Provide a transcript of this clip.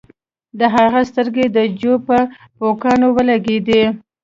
د هغه سترګې د جو په پوکاڼو ولګیدې